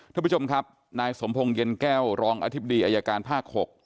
ทุกผู้ชมครับนายสมพงศ์เย็นแก้วรองอธิบดีอายการภาค๖